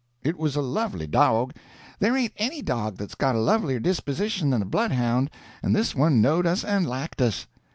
It was a lovely dog. There ain't any dog that's got a lovelier disposition than a bloodhound, and this one knowed us and liked us.